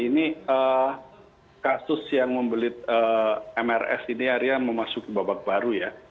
ini kasus yang membelit mrs ini akhirnya memasuki babak baru ya